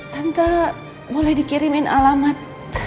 tante boleh dikirimin alamat